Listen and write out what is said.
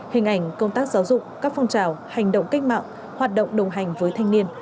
hình ảnh công tác giáo dục các phong trào hành động cách mạng hoạt động đồng hành với thanh niên